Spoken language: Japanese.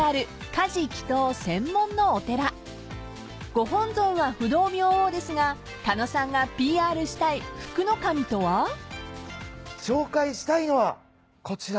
［ご本尊は不動明王ですが狩野さんがＰＲしたい福の神とは］紹介したいのはこちら。